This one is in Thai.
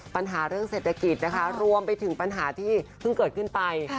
ปัญหาเรื่องเศรษฐกิจนะคะรวมไปถึงปัญหาที่เพิ่งเกิดขึ้นไป